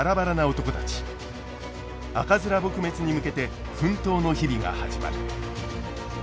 赤面撲滅に向けて奮闘の日々が始まる。